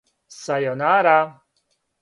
сајонара